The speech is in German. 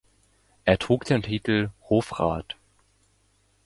Er trug den Titel "Hofrat".